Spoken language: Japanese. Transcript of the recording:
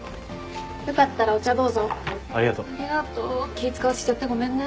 気使わせちゃってごめんね。